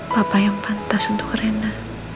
papa yang pantas untuk rena